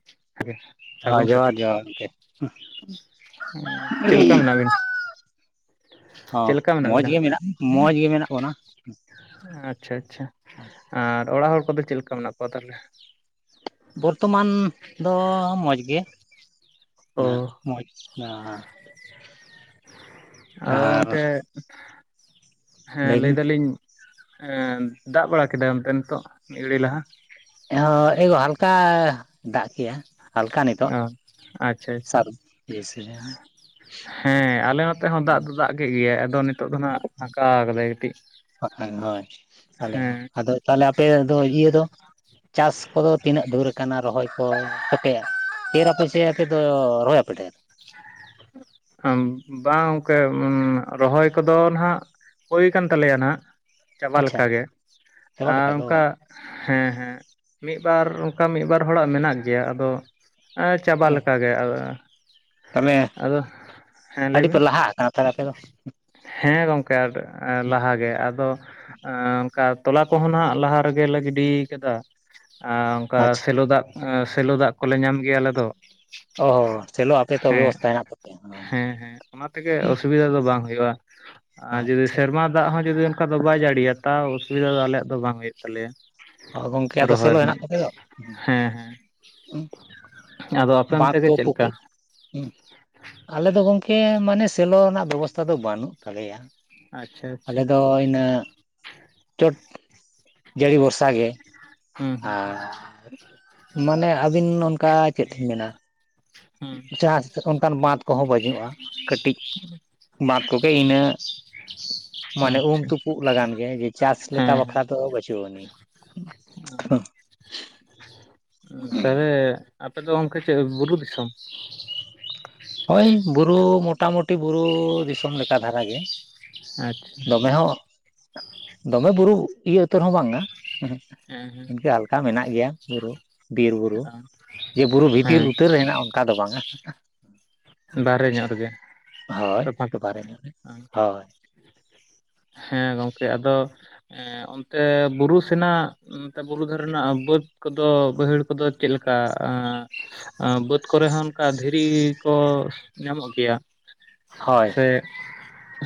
[unintelligible] ᱟ ᱡᱚᱦᱟᱨ ᱥᱮᱛᱟᱜ ᱡᱚᱦᱟᱨ ᱜᱚᱝᱠᱮ ᱪᱮᱫ ᱞᱮᱠᱟ ᱢᱮᱱᱟᱜ ᱵᱤᱱ ᱾ ᱦᱚᱸ ᱪᱮᱫ ᱞᱮᱠᱟ ᱢᱚᱡᱽ ᱵᱤᱱᱟ ᱜᱮ ᱢᱮᱱᱟᱜ ᱢᱚᱡᱽ ᱜᱮ ᱢᱮᱱᱟᱜ ᱵᱚᱱᱟ ᱾ ᱟᱪᱪᱷᱟ ᱟᱪᱪᱷᱟ ᱟᱨ ᱚᱲᱟᱜ ᱦᱚᱲ ᱠᱚᱫᱚ ᱪᱮᱫ ᱞᱮᱠᱟ ᱢᱮᱱᱟᱜ ᱠᱚᱣᱟ ᱛᱟᱦᱚᱞᱮ? ᱵᱚᱨᱛᱚᱢᱟᱱ ᱫᱚ ᱢᱚᱡᱽ ᱜᱮ ᱚ ᱱᱟᱦᱟᱜ ᱾ ᱢᱚᱡᱽ ᱱᱟᱦᱟᱜ ᱟᱨ ᱞᱟᱹᱭ ᱦᱮᱸ ᱵᱤᱱ ᱞᱟᱹᱭᱫᱟᱞᱤᱧ ᱮᱸ ᱫᱟᱜ ᱵᱟᱲᱟ ᱠᱮᱫᱟᱭ ᱚᱱᱛᱮ ᱱᱤᱛᱚᱜ ᱢᱤᱫ ᱜᱷᱟᱹᱲᱤᱡ ᱞᱟᱦᱟ? ᱦᱚ ᱮ ᱜᱚ ᱦᱟᱞᱠᱟ ᱫᱟᱜ ᱠᱮᱜᱼᱟ ᱾ ᱦᱟᱞᱠᱟ ᱱᱤᱛᱚᱜ ᱚ ᱟᱪᱪᱷᱟ ᱟᱪᱪᱷᱟ [unintelligible] ᱦᱮᱸ ᱟᱞᱮ ᱱᱚᱛᱮ ᱦᱚᱸ ᱫᱟᱜ ᱫᱚ ᱫᱟᱜ ᱠᱮᱫ ᱜᱮᱭᱟᱭ, ᱟᱫᱚ ᱱᱤᱛᱳᱜ ᱫᱚ ᱱᱟᱦᱟᱜ ᱯᱷᱟᱸᱠᱟ ᱠᱟᱫᱟᱭ ᱠᱟᱹᱴᱤᱡ ᱾ ᱵᱟᱠᱷᱟᱝ ᱦᱳᱭ ᱟᱞᱮ ᱦᱚᱸ ᱟᱫᱚ ᱛᱟᱦᱚᱞᱮ ᱟᱯᱮ ᱫᱚ ᱤᱭᱟᱹ ᱫᱚ ᱪᱟᱥ ᱠᱚᱫᱚ ᱛᱤᱱᱟᱹᱜ ᱫᱷᱩᱨ ᱟᱠᱟᱱᱟ ᱨᱚᱦᱚᱭ ᱠᱚ [inaudible] ᱮᱨ ᱟᱯᱮ ᱪᱮ ᱟᱯᱮ ᱫᱚ ᱨᱚᱦᱚᱭ ᱟᱯᱮ ᱰᱷᱮᱨ? [inaudible] ᱵᱟᱝ ᱜᱚᱝᱠᱮ ᱨᱚᱦᱚᱭ ᱠᱚᱫᱚ ᱱᱟᱦᱟᱜ ᱦᱩᱭ ᱠᱟᱱ ᱛᱟᱞᱮᱭᱟ ᱱᱟᱦᱟᱜ ᱪᱟᱵᱟ ᱟᱪᱪᱷᱟ ᱞᱮᱠᱟᱜᱮ ᱪᱟᱵᱟ ᱟᱨ ᱞᱮᱠᱟ ᱠᱚ ᱚᱝᱠᱟ ᱦᱮᱸ ᱦᱮᱸ ᱢᱤᱜᱼᱵᱟᱨ ᱚᱝᱠᱟ ᱢᱤᱫ ᱵᱟᱨ ᱦᱚᱲᱟᱜ ᱢᱮᱱᱟᱜ ᱜᱮᱭᱟ ᱟᱫᱚ ᱮᱸᱻ ᱪᱟᱵᱟ ᱞᱮᱠᱟ ᱜᱮ ᱟᱫᱚ, ᱛᱟᱦᱚᱞᱮ ᱟᱫᱚ ᱦᱮᱸ ᱟᱹᱰᱤ ᱯᱮ ᱞᱟᱹᱭᱵᱤᱱ! ᱞᱟᱦᱟ ᱟᱠᱟᱱᱟ ᱛᱟᱦᱚᱞᱮ ᱟᱯᱮ ᱫᱚ? ᱦᱮᱸ ᱜᱚᱝᱠᱮ ᱟᱰᱚ ᱞᱟᱦᱟ ᱜᱮ ᱟᱫᱚ ᱟᱸᱻ ᱚᱱᱠᱟ ᱛᱚᱞᱟ ᱠᱚᱦᱚᱸ ᱱᱟᱦᱟᱜ ᱞᱟᱦᱟ ᱨᱮᱜᱮ ᱞᱮ ᱜᱤᱰᱤᱭ ᱠᱟᱫᱟ ᱾ ᱟᱨ ᱚᱱᱠᱟ ᱟᱪᱪᱷᱟ ᱥᱮᱞᱚ ᱫᱟᱜ ᱥᱮᱞᱚ ᱫᱟᱜ ᱠᱚᱞᱮ ᱧᱟᱢ ᱜᱮᱭᱟ ᱟᱞᱮ ᱫᱚ ᱾ ᱚᱦᱚ ᱥᱮᱞᱚ ᱟᱯᱮ ᱛᱚ ᱵᱮᱵᱚᱥᱛᱟ ᱦᱮᱱᱟᱜ ᱛᱟᱯᱮᱭᱟ ᱦᱳᱭ ᱾ ᱦᱮᱸ ᱦᱮᱸ ᱚᱱᱟ ᱛᱮᱜᱮ ᱚᱥᱩᱵᱤᱫᱷᱟ ᱫᱚ ᱵᱟᱝ ᱦᱩᱭᱩᱜᱼᱟ ᱟᱨ ᱡᱩᱫᱤ ᱟᱪᱪᱷᱟ ᱥᱮᱨᱢᱟ ᱫᱟᱜ ᱦᱚᱸ ᱡᱩᱫᱤ ᱚᱱᱠᱟ ᱫᱚ ᱵᱟᱭ ᱡᱟᱹᱲᱤᱭᱟ ᱛᱟᱣ ᱚᱥᱩᱵᱤᱫᱟ ᱫᱚ ᱟᱞᱮᱭᱟᱜ ᱫᱚ ᱵᱟᱝ ᱦᱩᱭᱩᱜ ᱛᱟᱞᱮᱭᱟ ᱾ ᱦᱚ ᱜᱚᱝᱠᱮ ᱟᱫᱚ ᱥᱮᱞᱚ ᱦᱮᱱᱟᱜ ᱛᱟᱯᱮ ᱫᱚ ᱦᱮᱸ ᱦᱮᱸ ᱟᱫᱚ ᱟᱯᱮ ᱾ ᱚᱱᱛᱮ ᱵᱟᱸᱫᱷ ᱜᱮ ᱠᱚ ᱪᱮᱫ ᱞᱮᱠᱟ ᱯᱩᱠᱷᱨᱤ ᱦᱩᱸ, ᱟᱞᱮ ᱫᱚ ᱜᱚᱝᱠᱮ ᱢᱟᱱᱮ ᱥᱮᱞᱚ ᱨᱮᱱᱟᱜ ᱵᱮᱵᱚᱥᱛᱷᱟ ᱫᱚ ᱵᱟᱹᱱᱩᱜ ᱛᱟᱞᱮᱭᱟ ᱟᱪᱪᱷᱟ ᱾ ᱟᱪᱪᱷᱟ ᱟᱞᱮ ᱫᱚ ᱤᱱᱟᱹ ᱪᱚᱴ ᱡᱟᱹᱲᱤ ᱵᱚᱨ ᱥᱟ ᱜᱮ ᱦᱩᱸ ᱟᱨ ᱦᱩᱸ ᱢᱟᱱᱮ ᱟᱹᱵᱤᱱ ᱚᱱᱠᱟ ᱪᱮᱫ ᱞᱤᱧ ᱢᱮᱱᱟ ᱦᱩᱸ ᱪᱟᱥ ᱚᱱᱠᱟᱱ ᱵᱟᱸᱫᱷ ᱠᱚᱦᱚᱸ ᱵᱟᱹᱡᱩᱜᱼᱟ ᱠᱟᱹᱴᱤᱡ ᱾ ᱵᱟᱸᱫ ᱠᱚᱜᱮ ᱤᱱᱟᱹᱜ ᱢᱟᱱᱮ ᱩᱢ ᱟᱪᱪᱷᱟ ᱛᱩᱯᱩᱜ ᱞᱟᱜᱟᱱ ᱜᱮ ᱡᱮ ᱪᱟᱥ ᱦᱮᱸ ᱞᱮᱠᱟ ᱵᱟ ᱦᱮᱸ ᱠᱷᱨᱟ ᱫᱚ ᱵᱟᱪᱩᱜ ᱟᱱᱤᱡ ᱾ ᱛᱟᱦᱞᱮ ᱟᱯᱮ ᱫᱚ ᱜᱚᱝᱠᱮ ᱪᱮᱫ ᱵᱩᱨᱩ ᱫᱤᱥᱚᱢ? ᱦᱳᱭ, ᱵᱩᱨᱩ ᱢᱚᱴᱟᱢᱩᱴᱤ ᱵᱩᱨᱩ ᱫᱤᱥᱚᱢ ᱞᱮᱠᱟ ᱫᱷᱟᱨᱟ ᱜᱮ ᱟᱪᱪᱷᱟ ᱾ ᱫᱚᱢᱮ ᱦᱚᱸ ᱫᱚᱢᱮ ᱵᱩᱨᱩ ᱤᱭᱟᱹ ᱩᱛᱟᱹᱨ ᱦᱚᱸ ᱵᱟᱝᱼᱟ ᱦᱮᱸ ᱤᱱᱠᱟᱹ ᱦᱟᱞᱠᱟ ᱢᱮᱱᱟᱜ ᱜᱮᱭᱟ ᱵᱩᱨᱩ᱾ ᱵᱤᱨ ᱵᱩᱨᱩ ᱦᱮᱸ ᱡᱮ ᱵᱩᱨᱩ ᱵᱷᱤᱛᱤᱨ ᱦᱮᱸ ᱩᱛᱟᱹᱨ ᱦᱮᱱᱟᱜᱼᱟ ᱚᱱᱠᱟ ᱫᱚ ᱵᱟᱝ-ᱟ᱾ ᱵᱟᱦᱨᱮ ᱧᱚᱜ ᱨᱮᱜᱮ ᱦᱳᱭ ᱵᱟᱨᱮ ᱧᱚᱜ ᱨᱮ ᱦᱳᱭ [inaudible] ᱦᱮᱸ ᱜᱚᱝᱠᱮ ᱟᱫᱚ ᱮᱸ ᱚᱱᱛᱮ ᱵᱩᱨᱩ ᱥᱮᱱᱟᱜ ᱱᱮ ᱵᱩᱨᱩ ᱫᱷᱟᱨᱮ ᱨᱮᱱᱟᱜ ᱵᱟᱹᱫᱽ ᱠᱚᱫᱚ ᱵᱟᱹᱭᱦᱟᱹᱲ ᱠᱚᱫᱚ ᱪᱮᱫ ᱞᱮᱠᱟ? ᱵᱟᱹᱫ ᱠᱚᱨᱮ ᱦᱚᱸ ᱚᱱᱠᱟ ᱫᱷᱤᱨᱤ ᱠᱚ ᱧᱟᱢᱚᱜ ᱜᱮᱭᱟ ᱦᱳᱭ ᱥᱮ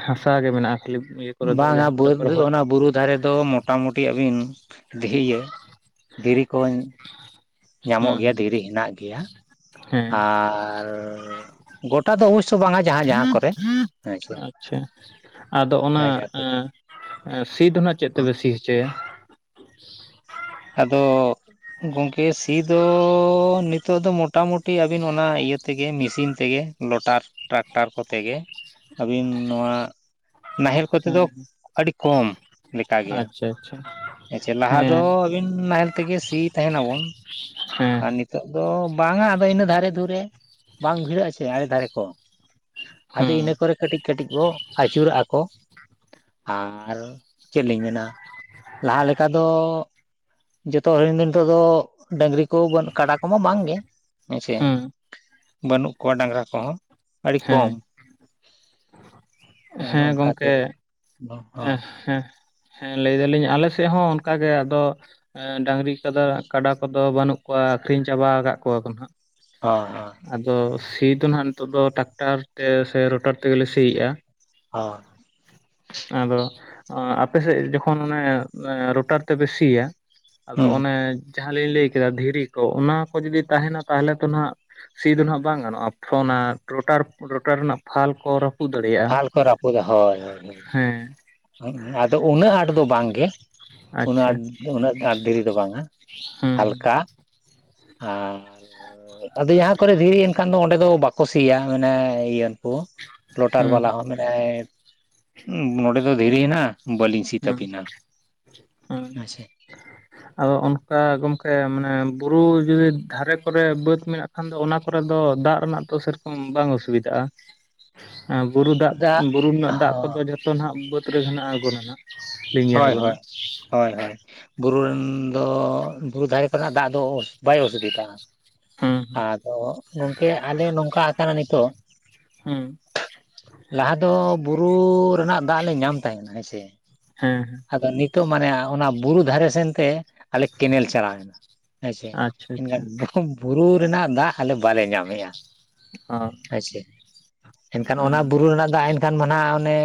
ᱦᱟᱥᱟ ᱜᱮ ᱢᱮᱱᱟᱜᱼᱟ ᱠᱷᱟᱹᱞᱤ [unintelligible] ᱵᱟᱝ-ᱟ ᱡᱟᱦᱟᱸ ᱠᱚᱨᱮ ᱵᱟᱹᱛ ᱯᱮ ᱨᱚᱦᱚᱭ ᱚᱱᱟ ᱵᱩᱨᱩ ᱫᱷᱟᱨᱮ ᱫᱚ ᱢᱚᱴᱟᱢᱩᱴᱤ ᱟᱹᱵᱤᱱ ᱫᱷᱤᱨᱮ ᱜᱮ᱾ ᱫᱷᱤᱨᱤ ᱠᱚ ᱧᱟᱢᱚᱜ ᱦᱩᱸ ᱜᱮᱭᱟ ᱦᱩᱸ ᱫᱷᱤᱨᱤ ᱦᱮᱱᱟᱜ ᱜᱮᱭᱟ ᱦᱮᱸ ᱟᱨᱼ ᱡᱟᱦᱟᱸ ᱡᱟᱦᱟᱸ ᱠᱚᱨᱮ ᱦᱮᱸ ᱥᱮ [inaudible] ᱟᱫᱚ ᱚᱱᱟ ᱡᱟᱦᱟᱸ ᱡᱟᱦᱟᱸ ᱠᱚᱨᱮ ᱥᱤ ᱫᱚ ᱱᱟᱜ ᱪᱮᱫ ᱛᱮᱵᱤᱱ ᱥᱤ ᱦᱚᱪᱚᱭᱟ? ᱟᱫᱚ ᱜᱚᱢᱠᱮ ᱥᱤ ᱫᱚ ᱱᱤᱛᱚᱜ ᱫᱚ [unintelligible] ᱢᱚᱴᱟᱢᱩᱴᱤ ᱟᱵᱤᱱ ᱚᱱᱟ ᱤᱭᱟᱹ ᱛᱮᱜᱮ ᱢᱮᱥᱤᱱ ᱛᱮᱜᱮ ᱞᱚᱴᱟᱨ ᱴᱨᱟᱠᱴᱟᱨ ᱠᱚᱛᱮ ᱜᱮ ᱟᱹᱵᱤᱱ ᱱᱚᱣᱟ ᱱᱟᱦᱮᱞ ᱠᱚᱛᱮ ᱫᱚ ᱦᱮᱸ ᱟᱹᱰᱤ ᱠᱚᱢ ᱾ ᱞᱮᱠᱟ ᱜᱮ ᱟᱪᱪᱷᱟ ᱟᱪᱪᱷᱟ ᱟᱪᱪᱷᱟ ᱞᱟᱦᱟ ᱫᱚ ᱦᱮᱸ ᱛᱤᱱ ᱱᱟᱦᱮᱞ ᱛᱮᱜᱮ ᱥᱤ ᱛᱟᱦᱮᱱ ᱟᱵᱚᱱ ᱟᱨ ᱦᱮᱸ ᱱᱤᱛᱼᱼ ᱱᱤᱛᱚᱜ ᱫᱚ ᱵᱟᱝᱟ ᱟᱫᱚ ᱤᱱᱟᱹ ᱫᱷᱟᱨᱮ ᱫᱷᱩᱨᱮ ᱵᱟᱝ ᱵᱷᱤᱲᱟᱹᱜ ᱟᱥᱮ ᱟᱲᱮ ᱫᱷᱟᱨᱮ ᱠᱚ ᱟᱫᱚ ᱦᱩᱸ ᱤᱱᱟᱹ ᱠᱚᱨᱮ ᱠᱟᱹᱴᱤᱡ ᱠᱟᱹᱴᱤᱡ ᱠᱚ ᱟᱹᱪᱩᱨᱟᱜᱼᱟ ᱠᱚ ᱟᱨ ᱪᱮᱫ ᱞᱤᱧ ᱢᱮᱱᱟ ᱞᱟᱦᱟ ᱞᱮᱠᱟ ᱫᱚ ᱡᱚᱛᱚ ᱦᱚᱲ ᱨᱮᱱ ᱜᱮ ᱫᱚ ᱱᱤᱛᱚᱜ ᱫᱚ ᱰᱟᱝᱨᱤ ᱵᱟᱱ ᱠᱚ ᱠᱟᱰᱟ ᱠᱚᱢᱟ ᱵᱟᱝ ᱜᱮ ᱦᱮᱸᱥᱮ ᱦᱩᱸ ᱵᱟᱹᱱᱩᱜ ᱠᱚᱣᱟ ᱰᱟᱝᱨᱟ ᱠᱚᱦᱚᱸ ᱟᱹᱰᱤ ᱦᱮᱸ ᱠᱚᱢ ᱾ ᱟᱫᱚ ᱜᱚᱝᱠᱮ ᱚᱱᱠᱟᱛᱮ ᱦᱚᱸ ᱦᱮᱸ ᱦᱚᱸ ᱦᱮᱸ ᱦᱮᱸ ᱞᱟᱹᱭ ᱫᱟᱞᱤᱧ ᱟᱞᱮ ᱥᱮᱫ ᱦᱚᱸ ᱚᱱᱠᱟᱜᱮ ᱟᱫᱚ ᱮ ᱰᱟᱝᱨᱤ ᱠᱟᱰᱟ ᱠᱟᱰᱟ ᱠᱚᱫᱚ ᱵᱟᱹᱱᱩᱜ ᱠᱚᱣᱟ ᱟᱠᱷᱨᱤᱧ ᱪᱟᱵᱟ ᱟᱠᱟᱫ ᱠᱚᱣᱟ ᱠᱚ ᱱᱟᱦᱟᱜ ᱾ ᱦᱚᱸ ᱦᱚᱸ ᱟᱫᱚ ᱥᱤ ᱫᱚ ᱱᱟᱦᱟᱜ ᱱᱤᱛᱚᱜ ᱫᱚ ᱴᱟᱠᱴᱟᱨ ᱛᱮ ᱥᱮ ᱨᱩᱴᱟᱨ ᱛᱮᱜᱮᱞᱮ ᱥᱤᱭᱮᱫᱼᱟ ᱾ ᱦᱚᱸ ᱟᱫᱚ ᱟᱯᱮᱥᱮᱫ ᱡᱚᱠᱷᱚᱱ ᱚᱱᱮ ᱨᱳᱚᱴᱟᱨ ᱛᱮᱯᱮ ᱥᱤᱭᱟ ᱟᱫᱚ ᱦᱩᱸ ᱚᱱᱮ ᱡᱟᱦᱟᱸᱞᱤᱧ ᱞᱟᱹᱭ ᱠᱮᱫᱟ ᱫᱷᱤᱨᱤ ᱠᱚ ᱚᱱᱟ ᱠᱚ ᱡᱩᱫᱤ ᱛᱟᱦᱮᱱᱟ ᱛᱟᱦᱞᱮ ᱛᱚ ᱦᱟᱜ ᱥᱤ ᱫᱚ ᱦᱟᱜ ᱵᱟᱝ ᱜᱟᱱᱚᱜᱼᱟ [unintelligible] ᱨᱳᱴᱟᱨ ᱨᱳᱴᱟᱨ ᱨᱮᱱᱟᱜ ᱯᱷᱟᱞ ᱠᱚ [unintelligible] ᱯᱷᱟᱞ ᱠᱚ ᱨᱟᱹᱯᱩᱫᱚᱜᱼᱟ ᱦᱳᱭ ᱦᱳᱭ ᱦᱳᱭ ᱦᱮᱸ ᱟᱫᱚ ᱩᱱᱟᱹᱜ ᱟᱸᱴ ᱫᱚ ᱵᱟᱝᱜᱮ ᱩᱱᱟᱹᱜ ᱟᱪᱪᱷᱟ ᱟᱸᱴ ᱩᱱᱟᱹᱜ ᱟᱸᱴ ᱫᱷᱤᱨᱤ ᱫᱚ ᱵᱟᱝᱟ ᱾ ᱦᱩᱸ ᱦᱟᱞᱠᱟ ᱟᱨ ᱟᱫᱚ ᱡᱟᱦᱟᱸ ᱠᱚᱨᱮ ᱫᱷᱤᱨᱤ ᱮᱱᱠᱷᱟᱱ ᱫᱚ ᱚᱸᱰᱮ ᱫᱚ ᱵᱟᱠᱚ ᱥᱤᱭᱟ ᱢᱟᱱᱮ ᱤᱭᱟᱹ ᱠᱚ ᱨᱳᱴᱟᱨ ᱦᱩᱸ ᱵᱟᱞᱟ ᱦᱚᱸ ᱢᱮᱱᱮᱜᱼᱟᱭ ᱱᱚᱸᱰᱮ ᱫᱚ ᱫᱷᱤᱨᱤ ᱦᱮᱱᱟᱜᱼᱟ ᱾ ᱵᱟᱹᱞᱤᱧ ᱥᱤ ᱦᱩᱸ ᱛᱟᱹᱵᱤᱱᱟ ᱦᱩᱸ [unintelligible] ᱟᱫᱚ ᱚᱱᱠᱟ ᱜᱚᱝᱠᱮ ᱢᱟᱱᱮ ᱵᱩᱨᱩ ᱡᱩᱫᱤ ᱫᱷᱟᱨᱮ ᱠᱚᱨᱮ ᱵᱟᱹᱫᱽ ᱢᱮᱱᱟᱜ ᱠᱷᱟᱱ ᱫᱚ ᱚᱱᱟ ᱠᱚᱨᱮ ᱫᱚ ᱫᱟᱜ ᱨᱮᱱᱟᱜ ᱫᱚ ᱥᱮᱨᱚᱠᱚᱢ ᱵᱟᱝ ᱚᱥᱩᱵᱤᱫᱷᱟᱜᱼᱟ ᱾ ᱵᱩᱨᱩ ᱫᱟᱜ ᱵᱩᱨᱩ ᱨᱮᱱᱟᱜ ᱫᱟᱜ ᱠᱚᱫᱚ ᱡᱚᱛᱚ ᱱᱟᱜ ᱵᱟᱹᱫᱽ ᱨᱮᱜᱮ ᱱᱟᱜᱼᱟ ᱟᱬᱜᱳ ᱱᱟᱦᱟᱜ ᱾ ᱦᱳᱭ ᱦᱳᱭ ᱦᱚᱭ ᱦᱚᱭ ᱵᱩᱨᱩ ᱨᱮᱱ ᱫᱚ ᱵᱩᱨᱩ ᱫᱷᱟᱨᱮ ᱠᱚᱨᱮᱱᱟᱜ ᱫᱟᱜ ᱫᱚ ᱵᱟᱭ ᱚᱥᱩᱵᱤᱫᱟᱜᱼᱟ ᱦᱩᱸ ᱦᱩᱸ ᱟᱫᱚ ᱜᱚᱝᱠᱮ ᱟᱞᱮ ᱱᱚᱝᱠᱟ ᱟᱠᱟᱱᱟ ᱱᱤᱛᱚᱜ ᱦᱩᱸ ᱞᱟᱦᱟ ᱫᱚ ᱵᱩᱨᱩ ᱨᱮᱱᱟᱜ ᱫᱟᱜ ᱞᱮ ᱧᱟᱢ ᱛᱟᱦᱮᱱᱟ ᱦᱮᱸᱥᱮ ᱦᱮᱸ ᱾ ᱟᱫᱚ ᱱᱤᱛᱚᱜ ᱢᱟᱱᱮ ᱚᱱᱟ ᱵᱩᱨᱩ ᱫᱷᱟᱨᱮ ᱥᱮᱱ ᱛᱮ ᱟᱞᱮ ᱠᱮᱱᱮᱞ ᱪᱟᱞᱟᱣᱱᱟ᱾ ᱦᱮᱸᱥᱮ ᱟᱪᱪᱷᱟ ᱟᱪᱪᱷᱟ ᱮᱱᱠᱷᱟᱱ ᱵᱩᱨᱩ ᱨᱮᱱᱟᱜ ᱫᱟᱜ ᱟᱞᱮ ᱵᱟᱞᱮ ᱧᱟᱢᱮ-ᱟ᱾ ᱚ [unintelligible] ᱮᱱᱠᱷᱟᱱ ᱚᱱᱟ ᱦᱮᱸ ᱵᱩᱨᱩ ᱨᱮᱱᱟᱜ ᱫᱟᱜ ᱮᱱᱠᱷᱟᱱ ᱢᱟ ᱱᱟᱜ ᱚᱱᱮ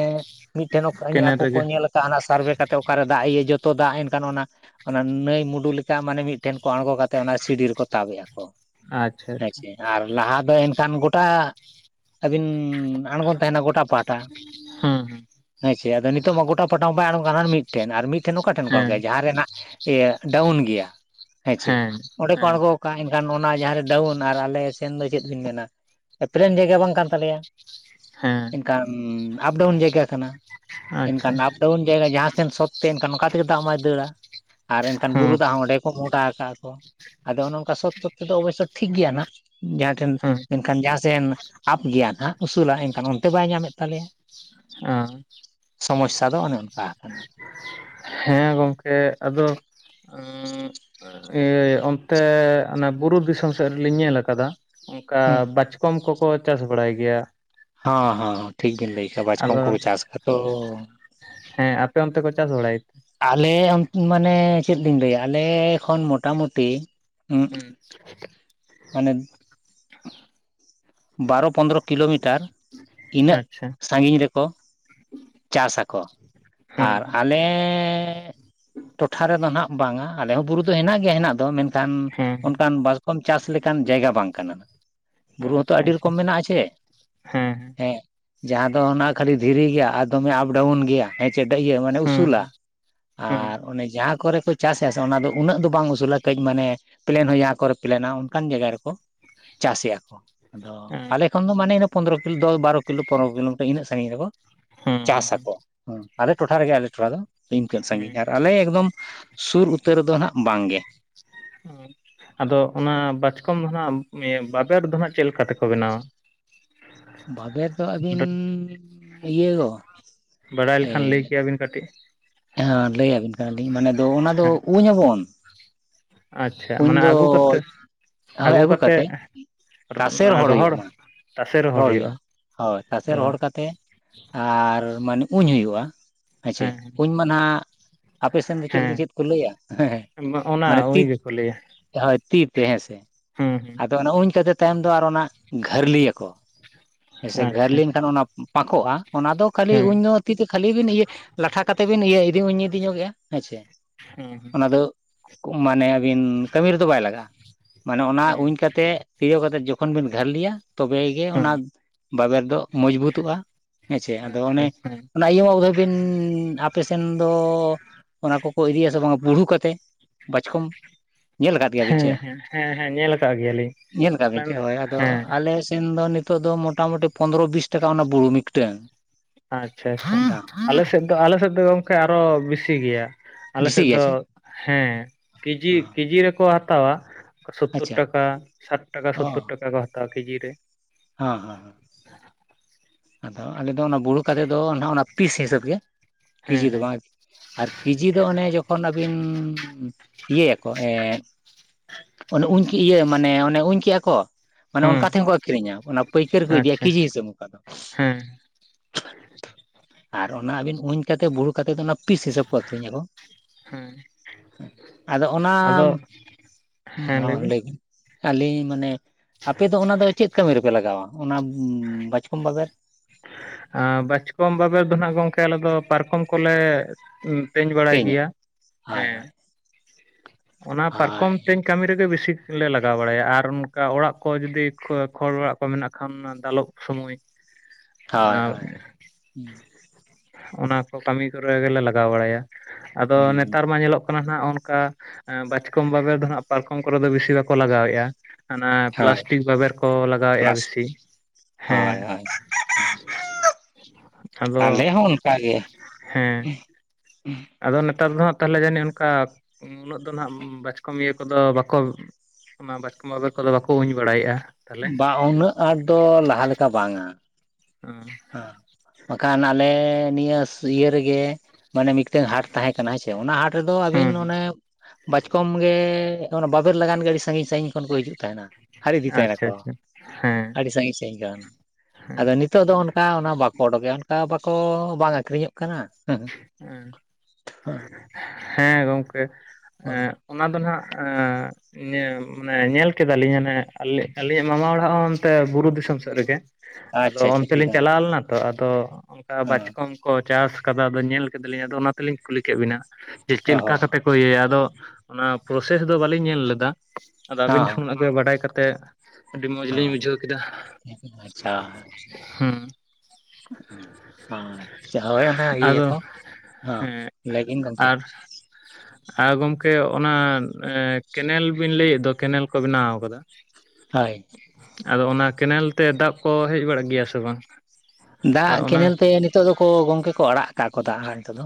ᱢᱤᱫᱴᱮᱱ ᱚ ᱠᱮᱱᱮᱞ ᱟᱠᱚ ᱠᱚ ᱨᱮᱜᱮ ᱧᱮᱞᱟ ᱚᱱᱟ ᱥᱟᱨᱵᱷᱮ ᱠᱟᱛᱮᱫ ᱚᱠᱟᱨᱮ ᱫᱟᱜ ᱤᱭᱟᱹ ᱡᱚᱛᱚ ᱫᱟᱜ ᱮᱱᱠᱷᱟᱱ ᱚᱱᱟ ᱚᱱᱟ ᱱᱟᱹᱭ ᱢᱩᱰᱩ ᱞᱮᱠᱟ ᱢᱟᱱᱮ ᱢᱤᱫᱴᱷᱮᱱ ᱠᱚ ᱟᱬᱜᱚ ᱠᱟᱛᱮᱜ ᱚᱱᱟ ᱥᱤᱰᱤ ᱨᱮᱠᱚ ᱟᱪᱪᱷᱟ ᱟᱪᱪᱷᱟ [inaudible] ᱟᱨ ᱞᱟᱦᱟ ᱫᱚ ᱮᱱᱠᱷᱟᱱ ᱜᱚᱴᱟ ᱟᱹᱵᱤᱱ ᱟᱬᱜᱚᱱ ᱛᱟᱦᱮᱱᱟ ᱜᱚᱴᱟ ᱯᱟᱦᱟᱴᱟ ᱦᱩᱸ ᱦᱮᱸ ᱪᱮ ᱟᱫᱚ ᱱᱤᱛᱚᱜ ᱢᱟ ᱜᱚᱴᱟ ᱯᱟᱦᱟᱴᱟ ᱢᱟ ᱵᱟᱭ ᱟᱬᱜ ᱟᱨ ᱢᱤᱫᱴᱷᱮᱱ ᱟᱨ ᱢᱤᱫᱴᱷᱮᱱ ᱚᱠᱟ ᱦᱩᱸ ᱴᱷᱮᱱ ᱦᱮᱸ ᱠᱷᱚᱱ ᱡᱟᱦᱟᱸ ᱨᱮᱱᱟᱜ ᱤᱭᱟᱹ ᱰᱟᱣᱩᱱ ᱜᱮᱭᱟ ᱦᱮᱸ ᱪᱮ᱾ ᱚᱸᱰᱮ ᱠᱚ ᱟᱬᱜᱚ ᱠᱟᱱ ᱮᱱᱠᱷᱟᱱ ᱚᱱᱟ ᱡᱟᱦᱟᱸᱨᱮ ᱰᱟᱣᱩᱱ ᱟᱨ ᱟᱞᱮ ᱥᱮᱱ ᱫᱚ ᱪᱮᱫ ᱵᱤᱱ ᱢᱮᱱᱟ᱾ ᱯᱞᱮᱱ ᱡᱟᱭᱜᱟ ᱵᱟᱝ ᱠᱟᱱ ᱛᱟᱞᱮᱭᱟ᱾ ᱦᱮᱸ ᱮᱱᱠᱷᱟᱱ ᱟᱯᱰᱟᱣᱩᱱ ᱡᱟᱭᱜᱟ ᱠᱟᱱᱟ ᱟᱪᱪᱷᱟ ᱮᱱᱠᱷᱟᱱ ᱟᱯᱰᱟᱣᱩᱱ ᱡᱟᱭᱜᱟ ᱡᱟᱦᱟᱸ ᱥᱮᱱ ᱥᱚᱛᱮ ᱛᱟᱦᱮᱱ ᱠᱷᱟᱱ ᱚᱱᱠᱟᱛᱮ ᱫᱟᱜᱢᱟᱭ ᱫᱟᱹᱲᱟ᱾ ᱟᱨ ᱮᱱᱠᱷᱟᱱ ᱵᱩᱨᱩ ᱦᱩᱸ ᱫᱟᱜ ᱦᱚᱸ ᱚᱸᱰᱮ ᱠᱚ ᱢᱚᱦᱚᱰᱟ ᱟᱠᱟᱜ-ᱟ ᱠᱚ᱾ ᱟᱫᱚ ᱚᱱᱮ ᱚᱱᱠᱟ ᱥᱚᱛ ᱥᱚᱛ ᱛᱮᱫᱚ ᱚᱵᱚᱥᱥᱚ ᱴᱷᱤᱠ ᱜᱮᱭᱟ ᱱᱟᱜ, ᱡᱟ ᱴᱷᱮᱱ ᱦᱩᱸ ᱢᱮᱱᱠᱷᱟᱱ ᱡᱟᱦᱟᱸᱥᱮᱱ ᱟᱯ ᱜᱮᱭᱟᱱᱟᱜ ᱩᱥᱩᱞᱟ ᱮᱱᱠᱷᱟᱱ ᱚᱱᱛᱮ ᱵᱟᱭ ᱧᱟᱢᱮᱫ ᱛᱟᱞᱮᱭᱟ᱾ [unintelligible] [unintelligible] ᱠᱟᱱᱟ ᱦᱮᱸ ᱜᱚᱝᱠᱮ ᱟᱫᱚ ᱮᱸ ᱤᱭᱟᱹ ᱚᱱᱛᱮ ᱚᱱᱟ ᱵᱩᱨᱩ ᱫᱤᱥᱚᱢ ᱥᱮᱫ ᱨᱮᱞᱤᱧ ᱧᱮᱞ ᱟᱠᱟᱫᱟ ᱚᱱᱠᱟ ᱦᱩᱸ ᱵᱟᱪᱠᱚᱢ ᱠᱚᱠᱚ ᱪᱟᱥ ᱵᱟᱲᱟᱭ ᱜᱮᱭᱟ᱾ ᱦᱚᱸ ᱦᱚᱸ ᱴᱷᱤᱠ ᱵᱤᱱ ᱞᱟᱹᱭ ᱠᱟᱜ-ᱟ ᱵᱟᱪᱠᱚᱢ ᱟᱫᱚ ᱠᱚ ᱪᱟᱥ ᱟᱫᱚ ᱦᱮᱸ ᱟᱯᱮ ᱚᱱᱛᱮ ᱠᱚ ᱪᱟᱥ ᱵᱟᱲᱟᱭ ᱟᱞᱮ ᱟᱱ ᱢᱟᱱᱮ ᱪᱮᱫ ᱞᱤᱧ ᱞᱟᱹᱭᱟ ᱟᱞᱮ ᱠᱷᱚᱱ ᱢᱚᱴᱟᱢᱩᱴᱤ ᱦᱩᱸ ᱢᱟᱱᱮ ᱵᱟᱨᱚ ᱯᱚᱱᱫᱨᱚ ᱠᱤᱞᱳᱢᱤᱴᱟᱨ ᱤᱱᱟᱹᱜ ᱟᱪᱪᱷᱟ ᱥᱟᱜᱤᱧ ᱨᱮᱠᱚ ᱪᱟᱥ ᱟᱠᱚ ᱦᱩᱸ ᱟᱨ ᱟᱞᱮᱻ ᱴᱚᱴᱷᱟ ᱨᱮᱫᱚ ᱱᱟᱸᱜ ᱵᱟᱝᱟ ᱟᱞᱮ ᱦᱚᱸ ᱵᱩᱨᱩ ᱫᱚ ᱦᱮᱱᱟᱜ ᱜᱮᱭᱟ ᱦᱮᱱᱟᱜ ᱫᱚ ᱢᱮᱱᱠᱷᱟᱱ ᱠᱷᱟᱱ ᱦᱩᱸ ᱚᱱᱠᱟᱱ ᱵᱟᱥ ᱠᱚᱢ ᱪᱟᱥ ᱞᱮᱠᱟᱱ ᱡᱟᱭᱜᱟ ᱵᱟᱝ ᱠᱟᱱᱟ᱾ ᱦᱩᱸ ᱵᱩᱨᱩ ᱦᱚᱸ ᱛᱚ ᱟᱪᱪᱷᱟ ᱟᱹᱰᱤ ᱟᱪᱪᱷᱟ ᱨᱚᱠᱚᱢ ᱢᱮᱱᱟᱜ-ᱟ ᱪᱮ᱾ ᱦᱮᱸ ᱾ ᱡᱟᱦᱟᱸ ᱫᱚ ᱚᱱᱟ ᱠᱷᱟᱹᱞᱤ ᱫᱷᱤᱨᱤ ᱜᱮᱭᱟ ᱟᱨ ᱫᱚᱢᱮ ᱟᱯᱰᱟᱣᱩᱱ ᱜᱮᱭᱟ ᱦᱮᱸ ᱪᱮᱴᱟᱹᱭ ᱤᱭᱟᱹ ᱢᱟᱱᱮ ᱦᱮᱸ ᱦᱮᱸ ᱩᱥᱩᱞᱟ ᱾ ᱦᱮᱸ ᱟᱨ ᱚᱱᱮ ᱡᱟᱦᱟᱸ ᱠᱚᱨᱮ ᱠᱷᱚᱡ ᱪᱟᱥ ᱮᱜᱟ ᱥᱮ ᱚᱱᱟ ᱫᱚ ᱩᱱᱟᱹᱜ ᱫᱚ ᱵᱟᱝ ᱩᱥᱩᱞᱟ ᱠᱟᱹᱡ ᱢᱟᱱᱮ ᱯᱞᱮᱱ ᱦᱚᱸ ᱡᱟᱦᱟᱸ ᱠᱚᱨᱮ ᱯᱞᱮᱱᱟ ᱚᱱᱠᱟᱱ ᱡᱟᱭᱜᱟ ᱨᱮᱠᱚ ᱪᱟ ᱪᱟᱥᱮᱜ-ᱟ ᱠᱚ ᱟᱫᱚ ᱦᱮᱸ ᱟᱞᱮ ᱠᱷᱚᱱ ᱫᱚ ᱢᱟᱱᱮ ᱯᱚᱱᱨᱚ ᱠᱤᱞᱳ ᱫᱚᱥ ᱵᱟᱨᱚ ᱠᱤᱞᱳ ᱯᱚᱱᱨᱚ ᱠᱤᱞᱳᱢᱤᱴᱨ ᱤᱱᱟᱹᱜ ᱥᱟᱜᱤᱧ ᱨᱮᱠᱚ ᱪᱟᱥ ᱦᱮᱸ ᱟᱠᱚ ᱦᱮᱸ ᱟᱞᱮ ᱴᱚᱴᱷᱟ ᱨᱮᱜᱮ ᱟᱞᱮ ᱴᱚᱴᱷᱟ ᱫᱚ ᱤᱱᱠᱟᱹᱜ ᱦᱮᱸ ᱥᱟᱹᱜᱤᱧ, ᱟᱨ ᱟᱞᱮ ᱮᱠᱫᱚᱢ ᱥᱩᱨ ᱩᱛᱟᱹᱨ ᱫᱚ ᱦᱟᱸᱜ ᱵᱟᱝ ᱜᱮ᱾ [unintelligible] ᱟᱫᱚ ᱚᱱᱟ ᱵᱟᱪᱠᱚᱢ ᱫᱚ ᱱᱟᱸᱜ ᱵᱟᱵᱮᱨ ᱫᱚ ᱦᱟᱸᱜ ᱪᱮᱫ ᱞᱮᱠᱟ ᱛᱮᱠᱚ ᱵᱮᱱᱟᱣᱟ? ᱵᱟᱵᱮᱨ ᱫᱚ ᱟᱹᱵᱤᱱ ᱤᱭᱟᱹ ᱜᱚ ᱵᱟᱰᱟᱭ ᱞᱮᱠᱷᱟᱱ ᱞᱟᱹᱭ ᱠᱮᱭᱟᱵᱤᱱ ᱠᱟᱹᱴᱤᱡ ᱾ ᱦᱟᱸ ᱞᱟᱹᱭ ᱟᱵᱤᱱ ᱠᱟᱱᱟᱞᱤᱧ ᱢᱟᱱᱮ ᱫᱚ ᱚᱱᱟ ᱫᱚ ᱦᱮᱸ ᱩᱧ ᱟᱵᱚᱱ ᱾ ᱟᱪᱪᱷᱟ ᱩᱱ ᱢᱟᱱᱮ ᱫᱚ ᱟᱹᱜᱩ ᱠᱟᱛᱮ ᱦᱳᱭ ᱟᱹᱜᱩ ᱠᱟᱛᱮ ᱾ ᱛᱟᱥᱮ ᱨᱚᱦᱚᱲ ᱦᱩᱭᱩᱜ-ᱟ ᱢᱟᱬᱟᱝ ᱾ ᱨᱚᱦᱚᱲ ᱦᱩᱭᱩᱜᱼᱟ ᱦᱳᱭ ᱛᱟᱥᱮ ᱚ ᱨᱚᱦᱚᱲ ᱠᱟᱛᱮᱜ ᱟᱨ ᱢᱟᱱᱮ ᱩᱧ ᱦᱩᱭᱩᱜᱼᱟ ᱾ ᱦᱮᱸᱪᱮ ᱦᱮᱸ ᱩᱧᱢᱟ ᱱᱟᱦᱟᱜ ᱟᱯᱮ ᱥᱮᱱ ᱫᱚ ᱦᱮᱸ ᱪᱮᱞ-ᱪᱮᱫ ᱠᱚ ᱠᱚ ᱞᱟᱹᱭᱟ ᱦᱮᱸ ᱦᱮᱸ ᱚᱱᱟ ᱢᱟᱱᱮ ᱩᱭ ᱛᱤᱛ ᱜᱮᱠᱚ ᱞᱟᱹᱭᱟ ᱦᱳᱭ ᱛᱤ ᱛᱮ ᱦᱮᱸᱥᱮ ᱦᱩᱸ ᱦᱩᱸ ᱟᱫᱚ ᱚᱱᱟ ᱩᱧ ᱠᱟᱛᱮ ᱛᱟᱭᱚᱢ ᱫᱚ ᱟᱨ ᱚᱱᱟ ᱜᱷᱟᱹᱨᱞᱤᱭᱟᱠᱚ ᱾ ᱦᱮᱸᱥᱮ ᱟᱪᱪᱷᱟ ᱜᱷᱟᱹᱨᱞᱤᱱ ᱠᱷᱟᱱ ᱚᱱᱟ ᱯᱟᱸᱠᱚᱜᱼᱟ ᱚᱱᱟ ᱫᱚ ᱠᱷᱟᱹᱞᱤ ᱦᱮᱸ ᱩᱧᱫᱚ ᱛᱤ ᱛᱮ ᱠᱷᱟᱹᱞᱤ ᱵᱤᱱ ᱤᱭᱟᱹ ᱞᱟᱴᱷᱟ ᱠᱟᱛᱮ ᱵᱤᱱ ᱤᱭᱟᱹ ᱤᱫᱤ ᱩᱧ ᱤᱫᱤ ᱧᱚᱜᱮᱜᱼᱟ ᱦᱮᱸ ᱥᱮ ᱦᱮᱸ ᱚᱱᱟ ᱫᱚ ᱢᱟᱱᱮ ᱟᱹᱵᱤᱱ ᱠᱟᱹᱢᱤ ᱨᱮᱫᱚ ᱵᱟᱭ ᱞᱟᱜᱟᱜᱼᱟ ᱾ ᱢᱟᱱᱮ ᱚᱱᱟ ᱦᱮᱸ ᱩᱧ ᱠᱟᱛᱮᱜ ᱛᱤᱭᱳᱜ ᱠᱟᱛᱮᱜ ᱡᱚᱠᱷᱚᱱ ᱵᱤᱱ ᱜᱷᱟᱨᱞᱤᱭᱟ ᱛᱚᱵᱮᱜᱮ ᱦᱮᱸ ᱚᱱᱟ ᱵᱟᱵᱮᱨ ᱫᱚ ᱢᱚᱸᱡᱽᱵᱩᱛᱚᱜᱼᱟ ᱦᱮᱸᱪᱮ ᱟᱫᱚ ᱚᱱᱮ ᱟᱪᱪᱷᱟ ᱦᱮᱸ ᱚᱱᱟ ᱤᱭᱟᱹ [unintelligible] ᱟᱯᱮᱥᱱ ᱫᱚ ᱚᱱᱟ ᱠᱚᱠᱚ ᱤᱫᱤᱭᱟ ᱥᱮ ᱵᱟᱝ ᱵᱩᱲᱦᱩ ᱠᱟᱛᱮ? ᱵᱟᱪᱠᱚᱢ ᱧᱮᱞ ᱠᱟᱫ ᱜᱮᱭᱟᱵᱤᱱ ᱦᱮᱸ ᱪᱮ ᱦᱮᱸ ᱦᱮᱸ ᱦᱮᱸ ᱧᱮᱞ ᱟᱠᱟᱫ ᱜᱮᱭᱟᱞᱤᱧ ᱧᱮᱞ ᱟᱠᱟᱜ ᱟᱞᱮ ᱵᱤᱱ ᱪᱮ? ᱦᱳᱭ ᱟᱫᱚ ᱦᱮᱸ ᱟᱞᱮ ᱥᱮᱱ ᱫᱚ ᱱᱤᱛᱚᱜ ᱫᱚ ᱢᱚᱴᱟᱢᱩᱴᱤ ᱯᱚᱱᱨᱚ ᱵᱤᱥ ᱴᱟᱠᱟ ᱚᱱᱟ ᱵᱩᱨᱦᱩ ᱢᱤᱫᱴᱟᱝ᱾ ᱟᱪᱪᱷᱟ ᱫᱟᱢ ᱟᱪᱷᱟ ᱟᱞᱮ ᱥᱮᱜ ᱫᱚ ᱟᱞᱮ ᱥᱮᱜ ᱫᱚ ᱜᱚᱝᱠᱮ ᱟᱨᱚ ᱵᱮᱥᱤ ᱜᱮᱭᱟ ᱟᱞᱮ ᱵᱮᱥᱤ ᱥᱮᱜ ᱜᱮᱭᱟ ᱫᱚ ᱪᱮ ᱦᱮᱸ ᱠᱮᱡᱤ ᱚ ᱠᱮᱡᱤ ᱨᱮᱠᱚ ᱦᱟᱛᱟᱣᱟ ᱾ ᱥᱳᱛᱛᱳᱨ ᱟᱪᱪᱷᱟ ᱴᱟᱠᱟ ᱥᱟᱴ ᱴᱟᱠᱟ ᱥᱳᱛᱛᱳᱨ ᱴᱟᱠᱟ ᱠᱚ ᱦᱟᱛᱟᱣᱟ ᱠᱮᱡᱤ ᱨᱮ ᱾ ᱦᱮᱸ ᱦᱮᱸ ᱦᱮᱸ ᱾ ᱟᱫᱚ ᱟᱞᱮ ᱫᱚ ᱚᱱᱟ ᱵᱩᱲᱦᱩ ᱠᱟᱛᱮ ᱫᱚ ᱱᱟᱦᱟᱜ ᱚᱱᱟ ᱯᱤᱥ ᱦᱤᱥᱟᱹᱵᱽ ᱜᱮ ᱦᱮᱸ ᱠᱮᱡᱤ ᱫᱚ ᱦᱮᱸ ᱵᱟᱝ ᱟᱨ ᱠᱮᱡᱤ ᱫᱚ ᱚᱱᱮ ᱡᱚᱠᱷᱚᱱ ᱟᱹᱵᱤᱱ ᱤᱭᱟᱹᱭᱟᱠᱚ ᱮᱸ ᱚᱱᱮ ᱩᱧ ᱤᱭᱟᱹ ᱢᱟᱱᱮ ᱚᱱᱮ ᱩᱧ ᱠᱮᱜᱼᱟ ᱠᱚ ᱾ ᱢᱟᱱᱮ ᱦᱮᱸ ᱚᱱᱠᱟ ᱛᱮᱦᱚᱸ ᱠᱚ ᱟᱹᱠᱷᱨᱤᱧᱟ ᱚᱱᱟ ᱯᱟᱹᱭᱠᱟᱹᱨ ᱠᱚ ᱤᱫᱤᱭᱟ ᱟᱪᱪᱷᱟ ᱠᱮᱡᱤ ᱦᱤᱥᱟᱹᱵᱽ ᱚᱱᱠᱟ ᱫᱚ ᱾ ᱦᱮᱸ ᱾ ᱟᱨ ᱚᱱᱟ ᱟᱹᱵᱤᱱ ᱩᱧ ᱠᱟᱛᱮ ᱵᱩᱨᱦᱩ ᱠᱟᱛᱮᱫ ᱫᱚ ᱱᱟᱜ ᱯᱤᱥ ᱦᱤᱥᱟᱹᱵ ᱠᱚ ᱟᱹᱠᱷᱨᱤᱧᱟᱠᱚ ᱦᱮᱸ ᱟᱫᱚ ᱚᱱᱟ ᱟᱫᱚ ᱦᱮᱸ ᱞᱟᱹᱭ ᱦᱚᱸ ᱵᱤᱱ ᱞᱟᱹᱭᱵᱤᱱ ᱾ ᱟᱞᱤᱧ ᱢᱟᱱᱮ ᱟᱯᱮ ᱫᱚ ᱚᱱᱟ ᱫᱚ ᱪᱮᱫ ᱠᱟᱹᱢᱤ ᱨᱮᱯᱮ ᱞᱟᱜᱟᱣᱟ ᱚᱱᱟ ᱵᱟᱪᱠᱚᱢ ᱵᱟᱵᱮᱨ? ᱟᱸ ᱵᱟᱪᱠᱚᱢ ᱵᱟᱵᱮᱨ ᱫᱚ ᱱᱟᱦᱟᱜ ᱜᱚᱜᱠᱮ ᱟᱞᱮ ᱫᱚ ᱯᱟᱨᱠᱚᱢ ᱠᱚᱞᱮ ᱛᱮᱧ ᱵᱟᱲᱟᱭ ᱛᱮᱧᱟ ᱜᱮᱭᱟ ᱦᱳᱭ ᱦᱮᱸ ᱦᱳᱭ ᱾ ᱚᱱᱟ ᱦᱳᱭ ᱯᱟᱨᱠᱚᱢ ᱛᱮᱧ ᱠᱟᱹᱢᱤ ᱨᱮᱜᱮ ᱵᱮᱥᱤᱠᱞᱮ ᱞᱟᱜᱟᱣ ᱵᱟᱲᱟᱭᱟ ᱟᱨ ᱚᱱᱠᱟ ᱚᱲᱟᱜ ᱠᱚ ᱡᱩᱫᱤ ᱠᱷᱚᱲ ᱚᱲᱟᱜ ᱠᱚ ᱢᱮᱱᱟᱜ ᱠᱷᱟᱱ ᱫᱟᱞᱚᱵ ᱾ ᱥᱚᱢᱚᱭ ᱦᱳᱭ ᱟᱸ ᱦᱳᱭ ᱦᱳᱭ ᱚᱱᱟ ᱠᱚ ᱠᱟᱹᱢᱤ ᱠᱚᱨᱮ ᱜᱮᱞᱮ ᱞᱟᱜᱟᱣ ᱵᱟᱲᱟᱭᱟ ᱾ ᱟᱫᱚ ᱱᱮᱛᱟᱨ ᱢᱟ ᱧᱮᱞᱚᱜ ᱠᱟᱱᱟ ᱦᱟᱸᱜ ᱚᱱᱠᱟ ᱮᱸ ᱵᱟᱪᱠᱚᱢ ᱵᱟᱵᱮᱨ ᱫᱚ ᱦᱟᱸᱜ ᱯᱟᱨᱠᱚᱢ ᱠᱚᱨᱮ ᱫᱚ ᱵᱤᱥᱤ ᱵᱟᱠᱚ ᱞᱟᱜᱟᱣᱮᱜᱼᱟ ᱾ ᱦᱟᱱᱟ ᱦᱳᱭ ᱯᱞᱟᱥᱴᱤᱠ ᱵᱟᱵᱮᱨ ᱠᱚ ᱞᱟᱜᱟᱣᱮᱜᱼᱟ ᱯᱞᱟᱥ ᱵᱮᱥᱤ ᱦᱮᱸ᱾ ᱦᱳᱭ ᱦᱳᱭ ᱟᱫᱚ ᱟᱞᱮ ᱦᱚᱸ ᱚᱱᱠᱟᱜᱮ ᱦᱮᱸ᱾ [inaudible] ᱟᱫᱚ ᱱᱮᱛᱟᱨ ᱫᱚ ᱦᱟᱸᱜ ᱛᱟᱦᱞᱮ ᱡᱟᱹᱱᱤᱡ ᱚᱱᱠᱟ ᱩᱱᱟᱹᱜ ᱫᱚ ᱱᱟᱦᱟᱸᱜ ᱵᱟᱪᱠᱚᱢ ᱤᱭᱟᱹ ᱠᱚᱫᱚ ᱵᱟᱠᱚ ᱱᱟ ᱵᱟᱪᱠᱚᱢ ᱵᱟᱵᱮᱨ ᱠᱚᱫᱚ ᱵᱟᱠᱚ ᱩᱧ ᱵᱟᱲᱟᱭᱮᱜᱼᱟ᱾ ᱵᱟ ᱩᱱᱟᱹᱜ ᱟᱸᱴ ᱫᱚ ᱞᱟᱦᱟ ᱞᱮᱠᱟ ᱵᱟᱝᱟ᱾ ᱚᱸ ᱵᱟᱠᱷᱟᱱ ᱟᱞᱮ ᱱᱤᱭᱟᱹᱥ ᱤᱭᱟᱹ ᱨᱮᱜᱮ ᱢᱟᱱᱮ ᱢᱤᱫᱴᱮᱱ ᱦᱟᱴ ᱛᱟᱦᱮᱸ ᱠᱟᱱᱟ ᱦᱮᱸᱪᱮ ᱚᱱᱟ ᱦᱟᱴ ᱨᱮᱫᱚ ᱟᱵᱤᱱ ᱦᱩᱸ ᱚᱱᱮ ᱵᱟᱪᱠᱚᱢ ᱜᱮ ᱛᱚ ᱚᱱᱟ ᱵᱟᱵᱮᱨ ᱞᱟᱜᱟᱱ ᱜᱮ ᱟᱹᱰᱤ ᱥᱟᱺᱜᱤᱧ ᱥᱟᱺᱜᱤᱧ ᱠᱷᱚᱱ ᱠᱚ ᱦᱤᱡᱩᱜ ᱛᱟᱦᱮᱱᱟ᱾ ᱦᱟᱹᱨ ᱤᱫᱤ ᱟᱪᱪᱷᱟ ᱛᱟᱦᱮᱱᱟᱠᱚ ᱟᱪᱪᱷᱟ ᱦᱮᱸ ᱟᱹᱰᱤ ᱥᱟᱺᱜᱤᱧ ᱥᱟᱺᱜᱤᱧ ᱠᱷᱚᱱ ᱟᱫᱚ ᱱᱤᱛᱚᱜ ᱫᱚ ᱚᱱ ᱚᱱᱟ ᱵᱟᱠᱚ ᱚᱰᱚᱠᱮᱼᱟ ᱚᱱᱠᱟ ᱵᱟᱠᱚ ᱵᱟᱝ ᱟᱹᱠᱷᱨᱤᱧᱚᱜ ᱠᱟᱱᱟ᱾ ᱦᱮᱸ, ᱦᱮᱸ ᱜᱚᱝᱠᱮ, [unintelligible] ᱚᱱᱟ ᱫᱚ ᱱᱟᱦᱟᱜ ᱮᱸᱻ ᱱᱮ ᱢᱟᱱᱮ ᱧᱮᱞ ᱠᱮᱫᱟᱞᱤᱧ ᱦᱟᱱᱮ ᱟᱹᱞᱤᱧ ᱟᱹᱞᱤᱧᱟᱜ ᱢᱟᱢᱟ ᱚᱲᱟᱜ ᱦᱚᱸ ᱚᱱᱛᱮ ᱵᱩᱨᱩ ᱫᱤᱥᱚᱢ ᱥᱮᱫ ᱨᱮᱜᱮ᱾ ᱟᱪᱪᱷᱟ ᱟᱫᱚ ᱟᱪᱪᱷᱟ ᱚᱱᱛᱮ ᱴᱷᱤᱠ ᱞᱤᱧ ᱦᱮᱸ ᱪᱟᱞᱟᱣ ᱞᱮᱱᱟ ᱛᱚ ᱟᱫᱚ ᱚᱱᱠᱟ ᱦᱮᱸ ᱵᱟᱪᱠᱚᱢ ᱠᱚ ᱪᱟᱥ ᱠᱟ ᱟ, ᱟᱫᱚ ᱧᱮᱞ ᱠᱮᱫᱟᱞᱤᱧ ᱟᱫᱚ ᱚᱱᱟ ᱛᱮᱞᱤᱧ ᱠᱩᱞᱤ ᱠᱮᱫ ᱵᱤᱱᱟ ᱡᱮ ᱪᱮᱫ ᱚ ᱞᱮᱠᱟ ᱠᱟᱛᱮ ᱠᱚ ᱤᱭᱟᱹᱭᱟ ᱟᱫᱚ ᱚᱱᱟ ᱯᱨᱚᱥᱮᱥ ᱫᱚ ᱵᱟᱹᱞᱤᱧ ᱧᱮᱞ ᱞᱮᱫᱟ ᱟᱫᱚ ᱟᱵᱤᱱ ᱦᱚᱸ [unintelligible] ᱜᱮ ᱵᱟᱰᱟᱭ ᱠᱟᱛᱮᱫ ᱟᱹᱰᱤ ᱢᱚᱸᱡᱽ ᱞᱤᱧ ᱦᱚᱸ ᱵᱩᱡᱷᱟᱹᱣ ᱠᱮᱫᱟ᱾ ᱦᱚᱸ ᱟᱪᱪᱷᱟ ᱦᱩᱸ, ᱟᱪᱪᱷᱟ ᱦᱳᱭ ᱚᱱᱟ ᱟᱫᱚ ᱤᱭᱟᱹᱭᱟᱠᱚ᱾ ᱦᱮᱸ ᱞᱟᱹᱭᱠᱤᱱ ᱜᱚᱝᱠᱮ? [inaudible] ᱟᱨ ᱜᱚᱝᱠᱮ ᱚᱱᱟ ᱮ ᱠᱮᱱᱮᱞ ᱵᱤᱱ ᱞᱟᱹᱭᱮᱫ ᱫᱚ ᱠᱮᱱᱮᱞ ᱠᱚ ᱵᱮᱱᱟᱣ ᱠᱟᱫᱟ, ᱦᱳᱭ, ᱟᱫᱚ ᱚᱱᱟ ᱠᱮᱱᱮᱞ ᱛᱮ ᱫᱟᱜ ᱠᱚ ᱦᱮᱡ ᱵᱟᱲᱟᱜ ᱜᱮᱭᱟ ᱥᱮ ᱵᱟᱝ? ᱟᱨ ᱫᱟᱜ ᱚᱱᱟ ᱠᱮᱱᱮᱞ ᱛᱮ ᱱᱤᱛᱚᱜ ᱫᱚᱠᱚ ᱜᱚᱝᱠᱮ ᱠᱚ ᱟᱲᱟᱜ ᱠᱟᱜ ᱠᱚ ᱫᱟᱜ ᱦᱟᱸᱜ ᱱᱤᱛᱚᱜ ᱫᱚ᱾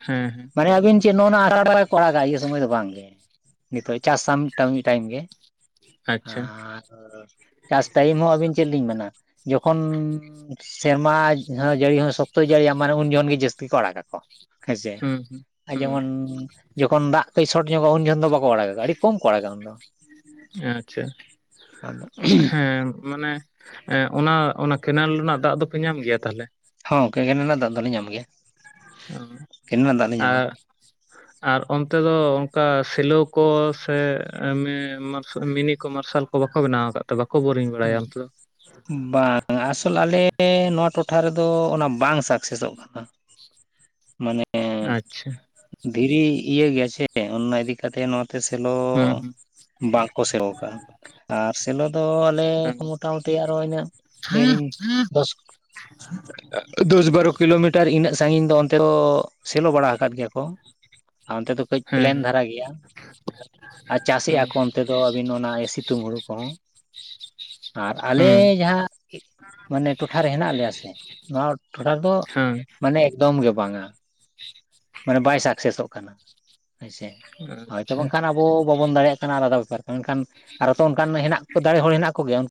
ᱦᱮᱸ, ᱦᱮᱸ, ᱢᱟᱱᱮ ᱟᱵᱤᱱ ᱪᱮᱫ ᱱᱚᱜᱼᱱᱟ [unintelligible] [unintelligible] ᱠᱟᱜᱼᱟ ᱤᱭᱟᱹ ᱥᱚᱢᱚᱭ ᱫᱚ ᱵᱟᱝᱜᱮ, ᱱᱤᱛᱚᱜ ᱪᱟᱥ ᱟᱢ ᱴᱟᱢᱤ ᱴᱟᱭᱤᱢ ᱜᱮ, ᱟᱪᱪᱷᱟ ᱟᱨ ᱪᱟᱥ ᱴᱟᱭᱤᱢ ᱦᱚᱸ ᱟᱹᱵᱤᱱ ᱪᱮᱫ ᱞᱤᱧ ᱢᱮᱱᱟ ᱡᱚᱠᱷᱚᱱ ᱥᱮᱨᱢᱟ ᱡᱟᱹᱲᱤ ᱦᱚᱸ ᱥᱚᱠᱛᱚᱭ ᱡᱟᱹᱲᱤᱭᱟ ᱢᱟᱱᱮ ᱩᱱ ᱡᱚᱠᱷᱚᱱ ᱜᱮ ᱡᱟᱹᱥᱛᱤ ᱠᱚ ᱟᱲᱟᱜ ᱟᱠᱚ᱾ ᱦᱮᱸᱥᱮ, ᱦᱩᱸ ᱦᱩᱸ ᱟᱨ ᱡᱮᱢᱚᱱ ᱦᱩᱸ ᱡᱚᱠᱷᱚᱱ ᱫᱟᱜ ᱠᱟᱹᱡ ᱥᱚᱴ ᱧᱚᱜᱼᱟ ᱩᱱ ᱡᱚᱚᱱ ᱫᱚ ᱵᱟᱠᱚ ᱟᱲᱟᱜᱟᱼᱟ ᱟᱹᱰᱤ ᱠᱚᱢ ᱠᱚ ᱟᱲᱟᱜᱼᱟ ᱩᱱ ᱫᱚ᱾ ᱟᱪᱪᱷᱟ, ᱟᱫᱚ ᱦᱮᱸ ᱢᱟᱱᱮ, ᱮᱸ ᱚᱱᱟ, ᱚᱱᱟ ᱠᱮᱱᱮᱞ ᱨᱮᱱᱟᱜ ᱫᱟᱜ ᱫᱚᱯᱮ ᱧᱟᱢ ᱜᱮᱭᱟ ᱛᱟᱦᱚᱞᱮ? ᱦᱚᱸ ᱜᱚᱝᱠᱮ ᱠᱮᱱᱮᱞ ᱨᱮᱱᱟᱜ ᱫᱟᱜ ᱫᱚᱞᱮ ᱧᱟᱢ ᱜᱮᱭᱟ᱾ ᱚ, ᱠᱮᱱᱮᱞ ᱨᱮᱱᱟᱜ ᱫᱟᱜ ᱞᱮ ᱧᱟᱢᱟ ᱟᱨ, ᱟᱨ ᱚᱱᱛᱮ ᱫᱚ ᱚᱱᱠᱟ ᱥᱮᱞᱟᱹᱣ ᱠᱚ ᱥᱮ ᱢᱤ ᱢᱤᱱᱤ ᱠᱚ ᱢᱟᱨᱥᱟᱞ ᱠᱚ ᱵᱟᱠᱚ ᱵᱮᱱᱟᱣ ᱟᱠᱟᱫ ᱛᱮ ᱵᱟᱠᱚ ᱵᱳᱨᱤᱧ ᱵᱟᱲᱟᱭᱟ ᱚᱱᱛᱮ ᱫᱚ? ᱵᱟᱝ ᱟᱥᱚᱞ ᱟᱞᱮ ᱱᱚᱣᱟ ᱴᱚᱴᱷᱟ ᱨᱮᱫᱚ ᱚᱱᱟ ᱵᱟᱝ ᱥᱟᱠᱥᱮᱥᱚᱜ ᱠᱟᱱᱟ, ᱢᱟᱱᱮ ᱟᱪᱪᱷᱟ, ᱫᱷᱤᱨᱤ ᱤᱭᱟᱹ ᱜᱮᱭᱟ ᱪᱮ ᱚᱱᱱᱟ ᱤᱫᱤ ᱠᱟᱛᱮ ᱱᱚᱣᱟ ᱛᱮ ᱥᱮᱞᱚ ᱦᱩᱸ ᱵᱟᱝᱠᱚ ᱥᱮᱞᱚ ᱠᱟᱜᱼᱟ᱾ ᱟᱨ ᱥᱮᱞᱚ ᱫᱚ ᱟᱞᱮ ᱮ ᱦᱩᱸ ᱠᱷᱚᱱ ᱢᱚᱴᱟᱢᱩᱴᱤ ᱟᱨᱚ ᱤᱱᱟᱹᱜ ᱰᱷᱮᱨᱤᱧ ᱫᱚᱥ ᱫᱚᱥ ᱵᱟᱨᱚ ᱠᱤᱞᱳᱢᱤᱴᱟᱨ ᱤᱱᱟᱹᱜ ᱥᱟᱺᱜᱤᱧ ᱫᱚ ᱚᱱᱛᱮ ᱫᱚ ᱥᱮᱞᱳ ᱵᱟᱲᱟ ᱟᱠᱟᱫ ᱜᱮᱭᱟ ᱠᱚ᱾ [inaudible] ᱟᱨ ᱚᱱᱛᱮ ᱫᱚ ᱠᱟᱹᱡ ᱦᱮᱸ ᱯᱞᱮᱱ ᱫᱷᱟᱨᱟ ᱜᱮᱭᱟ ᱟᱨ ᱦᱮᱸ ᱪᱟᱥᱮᱫᱼᱟ ᱠᱚ ᱚᱱᱛᱮ ᱫᱚ᱾ ᱫᱚ ᱟᱹᱵᱤᱱ ᱚᱱᱟ ᱮᱥᱤᱛᱩᱝ ᱦᱩᱞ ᱠᱚᱦᱚᱸ᱾ ᱟᱨ ᱟᱞᱮ ᱦᱮᱸ ᱡᱟᱦᱟᱸ ᱢᱟᱱᱮ ᱴᱚᱴᱷᱟ ᱨᱮ ᱦᱮᱱᱟᱜ ᱞᱮᱭᱟ ᱥᱮ ᱱᱚᱣᱟ ᱴᱷᱚᱴᱷᱟ ᱨᱮᱫᱚ ᱦᱮᱸ ᱢᱟᱱᱮ ᱮᱠᱫᱚᱢ ᱜᱮ ᱵᱟᱝᱟ ᱢᱟᱱᱮ ᱵᱟᱭ ᱥᱟᱠᱥᱮᱥᱚᱜ ᱠᱟᱱᱟ᱾ ᱦᱳᱭ ᱥᱮ, ᱦᱮᱸ ᱦᱚᱭᱛᱚ ᱟᱪᱪᱷᱟ ᱵᱟᱝᱠᱷᱟᱱ ᱟᱵᱚ ᱵᱟᱵᱚᱱ ᱫᱟᱲᱮᱭᱟᱜ ᱠᱟᱱᱟ ᱟᱞᱟᱫᱟ ᱵᱮᱯᱟᱨ ᱠᱟᱱᱟ ᱮᱱᱠᱷᱟᱱ ᱟᱨ ᱦᱚᱸ ᱛᱚ ᱚᱱᱠᱟᱱ ᱦᱮᱱᱟᱜ ᱮ ᱦᱚᱲ ᱦᱮᱱᱟᱜ ᱠᱚᱜᱮᱭᱟ ᱩᱱᱠᱩ